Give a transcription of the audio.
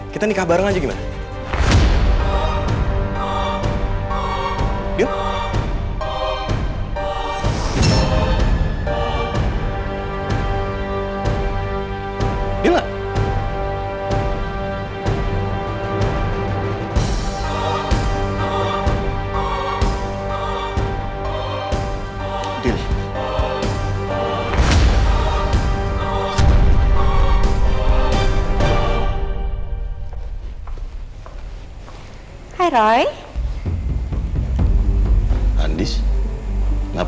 kita nikah bareng aja gimana